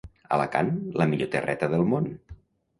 Alacant, la millor terreta del món.